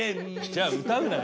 じゃあ歌うなよ。